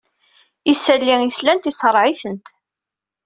Isalli i slant isreɛ-itent.